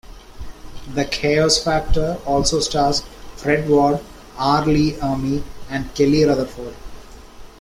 "The Chaos Factor" also stars Fred Ward, R. Lee Ermey, and Kelly Rutherford.